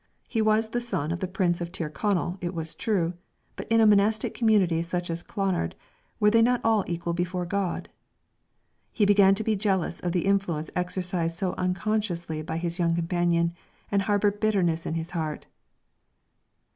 He was the son of the Prince of Tir Connell it was true, but in a monastic community such as Clonard were not they all equal before God? He began to be jealous of the influence exercised so unconsciously by his young companion, and harboured bitterness in his heart.